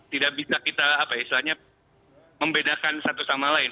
tidak bisa kita apa istilahnya membedakan satu sama lain